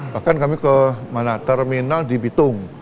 bahkan kami ke terminal di bitung